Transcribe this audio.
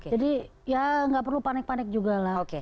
jadi ya nggak perlu panik panik juga lah